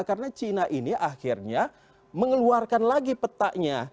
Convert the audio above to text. karena cina ini akhirnya mengeluarkan lagi petanya